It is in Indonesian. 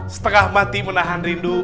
setengah mati menahan rindu